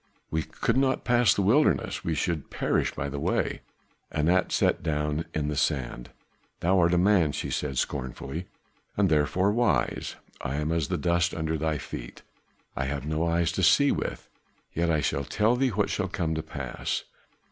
"We could not pass the wilderness, we should perish by the way." Anat sat down in the sand. "Thou art a man," she said scornfully, "and therefore wise; I am as the dust under thy feet; I have no eyes to see with, yet shall I tell thee what shall come to pass.